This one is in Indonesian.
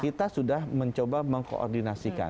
kita sudah mencoba mengkoordinasikan